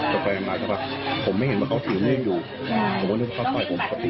ต่อไปมาก็แบบผมไม่เห็นว่าเขาถือมืออยู่ผมก็นึกว่าเขาปล่อยผมปกติ